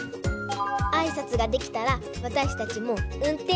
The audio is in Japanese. あいさつができたらわたしたちもうんてんしゅ